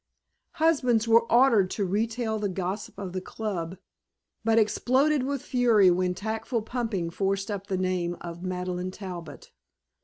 Husbands were ordered to retail the gossip of the Club, but exploded with fury when tactful pumping forced up the name of Madeleine Talbot.